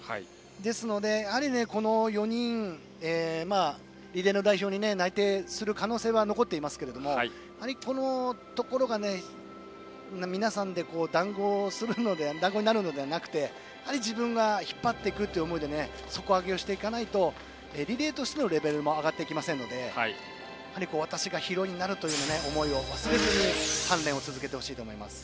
ですので、この４人はリレーの代表に内定する可能性は残っていますけどこのところが皆さんでだんごになるのではなくて自分が引っ張っていくという思いで底上げをしていかないとリレーとしてのレベルも上がってきませんのでやはり私がヒロインになるという思いを忘れずに鍛錬を続けてほしいと思います。